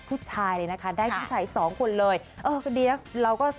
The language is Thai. ผู้ชายเลยนะคะได้ผู้ชายสองคนเลยเออคุณเดียฟเราก็